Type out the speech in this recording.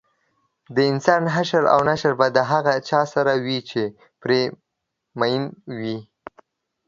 دانسان حشر او نشر به د هغه چا سره وي چې پرې مین وي